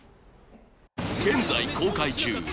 現在公開中